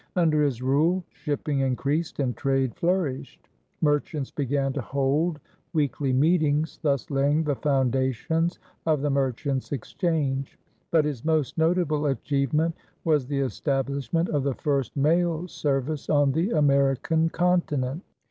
Under his rule shipping increased and trade flourished. Merchants began to hold weekly meetings, thus laying the foundations of The Merchants' Exchange. But his most notable achievement was the establishment of the first mail service on the American continent.